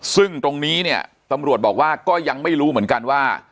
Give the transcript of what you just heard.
ซึ่งตรงนี้เนี่ยตำรวจบอกว่าก็ยังไม่รู้เหมือนกันว่า